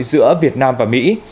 giữa việt nam và mỹ